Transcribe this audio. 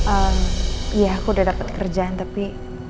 ehm iya aku udah dapet kerjaan tapi